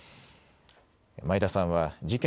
前田さんは事件